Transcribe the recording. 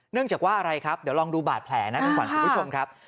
เนื่องจากว่าอะไรครับเดี๋ยวลองดูบาดแผลนะคุณควรผู้ชมครับ